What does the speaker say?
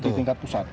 tapi di tingkat pusat